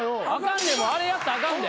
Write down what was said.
あれやったらあかんで。